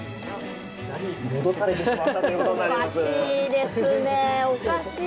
戻されてしまったということになります。